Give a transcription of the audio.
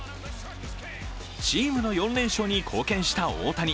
チームの４連勝に貢献した大谷。